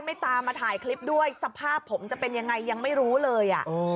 ตามมาถ่ายคลิปด้วยสภาพผมจะเป็นยังไงยังไม่รู้เลย